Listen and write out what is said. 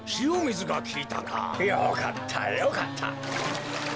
よかったよかった。